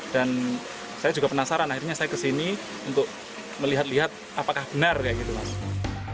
dan saya juga penasaran akhirnya saya kesini untuk melihat lihat apakah benar kayak gitu mas